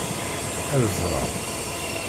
Ad ẓreɣ.